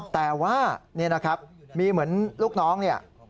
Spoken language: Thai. แต่ว่านี่นะครับมีเหมือนลูกน้องเนี่ย